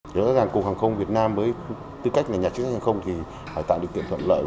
giữa các hàng không việt nam với tư cách nhà chức hàng không thì phải tạo được kiểm soạn lợi